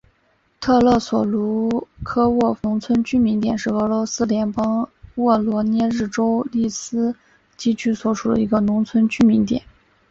特列索鲁科沃农村居民点是俄罗斯联邦沃罗涅日州利斯基区所属的一个农村居民点。